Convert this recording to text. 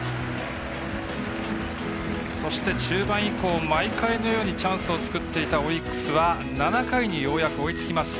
そして、中盤以降毎回のようにチャンスを作っていたオリックスは、７回にようやく追いつきます。